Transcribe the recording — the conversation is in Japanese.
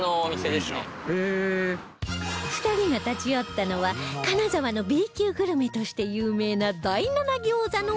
２人が立ち寄ったのは金沢の Ｂ 級グルメとして有名な第七ギョーザの店というお店